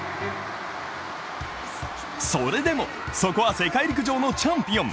それでも、そこは世界陸上のチャンピオン。